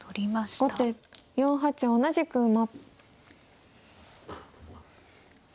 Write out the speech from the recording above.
後手４八同じく馬。